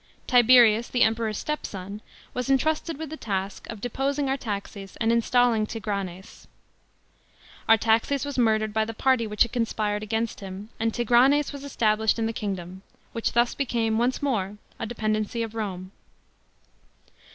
Tiberius, the Emperor's stepson, was entrusted with the task of deposing Artaxes and installing Tigranes. Artaxes was murdered by the party which had conspired against him; and Tigranes was established in the kingdom, which thus became once more a dependency of Rome.